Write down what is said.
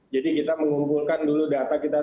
kita mengumpulkan dulu data kita